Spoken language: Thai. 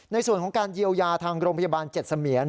ในส่วนของการเยียวยาทางโรงพยาบาล๗เสมียน